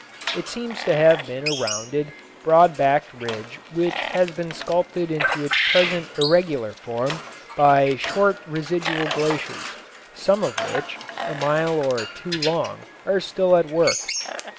It seems to have been a rounded, broad backed ridge which has been sculptured into its present irregular form by short residual glaciers, some of which, a mile or two long, are still at work.